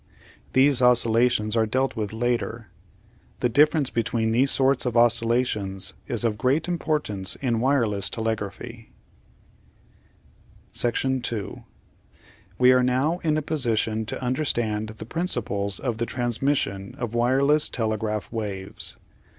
These oscillations are dealt with later. The difference between these sorts of oscillations is of great importance in wireless telegraphy (see Figs. 4 and 5 facing p. 828). 2 We are now in a position to understand the principles of the transmission of wireless telegraph waves.